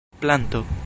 planto